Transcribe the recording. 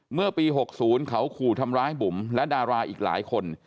เมื่อปี๖๐เขาขู่ทำร้ายบุ๋มและดาราอีกหลายคน